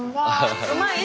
うまい？